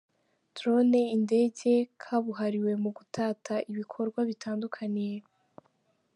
Drone indege kabuhariwe mu gutata ibikorwa bitandukanye.